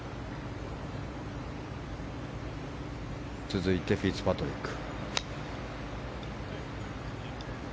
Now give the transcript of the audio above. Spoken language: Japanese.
続いてフィッツパトリック。